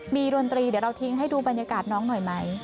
ดนตรีเดี๋ยวเราทิ้งให้ดูบรรยากาศน้องหน่อยไหม